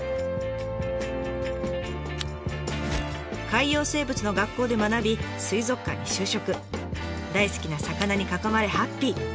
海洋生物の学校で学び大好きな魚に囲まれハッピー！